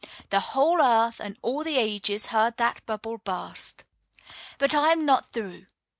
The whole earth, and all the ages, heard that bubble burst. But I am not through.